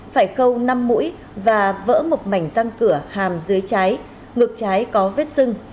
phải khâu năm mũi và vỡ một mảnh răng cửa hàm dưới trái ngược trái có vết sưng